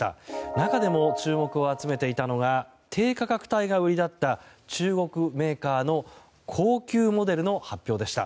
中でも注目を集めていたのは低価格帯が売りだった中国メーカーの高級モデルの発表でした。